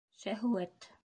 Шәһүәт.